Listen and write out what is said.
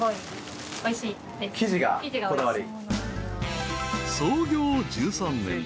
生地がこだわり。